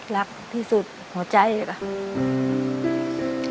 รักที่สุดขอใจก่อน